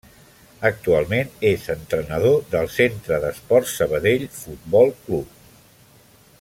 Actualment és entrenador del Centre d'Esports Sabadell Futbol Club.